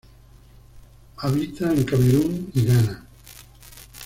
Habita en Camerún y Ghana.